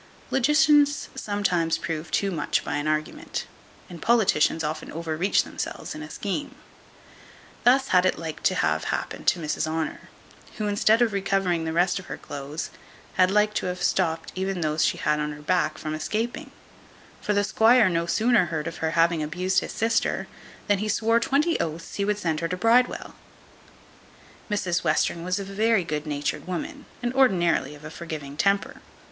Logicians sometimes prove too much by an argument, and politicians often overreach themselves in a scheme. Thus had it like to have happened to Mrs Honour, who, instead of recovering the rest of her clothes, had like to have stopped even those she had on her back from escaping; for the squire no sooner heard of her having abused his sister, than he swore twenty oaths he would send her to Bridewell. Mrs Western was a very good natured woman, and ordinarily of a forgiving temper.